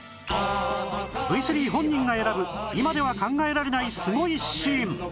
Ｖ３ 本人が選ぶ今では考えられないすごいシーン